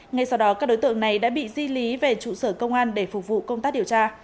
ngay sau đó các đối tượng này đã bị di lý về trụ sở công an để phục vụ công tác điều tra